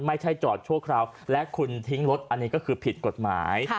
ไม่ใช่จอดชั่วคราวและคุณทิ้งรถอันนี้ก็คือผิดกฎหมาย